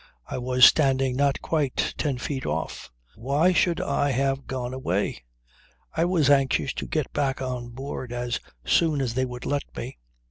I was standing not quite ten feet off. Why should I have gone away? I was anxious to get back on board as soon as they would let me.